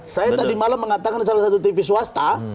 saya tadi malam mengatakan di salah satu tv swasta